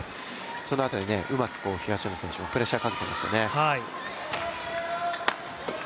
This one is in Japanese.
その辺り、うまく東野選手もプレッシャーをかけていますよね。